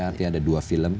artinya ada dua film